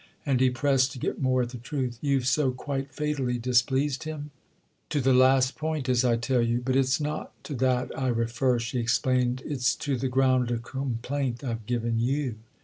And he pressed to get more at the truth. "You've so quite fatally displeased him?" "To the last point—as I tell you. But it's not to that I refer," she explained; "it's to the ground of complaint I've given you."